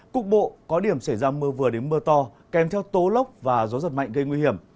cục bộ có điểm xảy ra mưa vừa đến mưa to kèm theo tố lốc và gió giật mạnh gây nguy hiểm